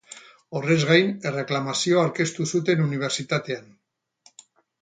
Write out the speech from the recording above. Horrez gain, erreklamazioa aurkeztu zuten unibertsitatean.